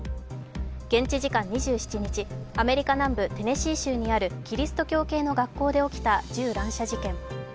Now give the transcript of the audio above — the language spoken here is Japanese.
現地時間２７日、アメリカ南部テネシー州にあるキリスト教系の学校で起きた銃乱射事件。